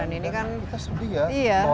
kita sedih ya